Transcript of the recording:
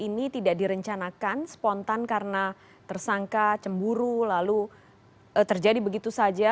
ini tidak direncanakan spontan karena tersangka cemburu lalu terjadi begitu saja